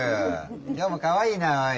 今日もかわいいなおい。